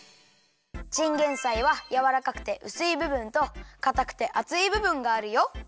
チンゲンサイはやわらかくてうすいぶぶんとかたくてあついぶぶんがあるよ。